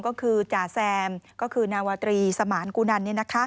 ก็คือจ่าแซมก็คือนาวาตรีสมานกุนัน